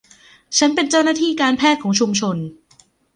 ฉันเป็นเจ้าหน้าที่การแพทย์ของชุมชน